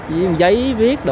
với giấy viết đồ